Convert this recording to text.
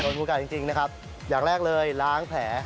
โอกาสจริงนะครับอย่างแรกเลยล้างแผล